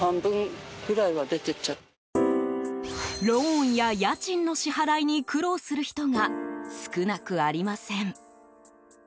ローンや家賃の支払いに苦労する人が少なくありません。